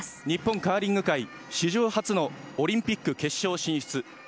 日本カーリング界史上初のオリンピック決勝進出。